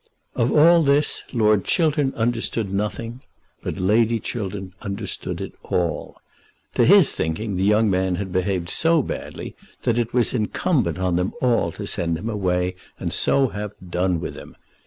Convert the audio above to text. Of all this Lord Chiltern understood nothing, but Lady Chiltern understood it all. To his thinking the young man had behaved so badly that it was incumbent on them all to send him away and so have done with him.